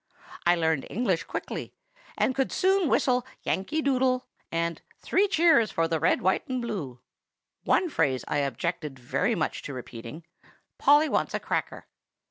I learned English quickly, and could soon whistle 'Yankee Doodle' and 'Three Cheers for the Red, White, and Blue.' One phrase I objected very much to repeating, 'Polly wants a cracker.